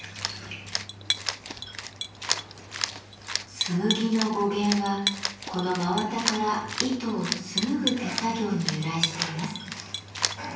「紬」の語源はこの真綿から糸を紡ぐ手作業に由来しています。